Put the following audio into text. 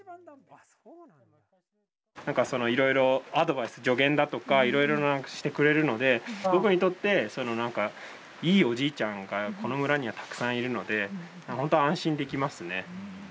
何かいろいろアドバイス助言だとかいろいろしてくれるので僕にとって何かいいおじいちゃんがこの村にはたくさんいるので本当安心できますね。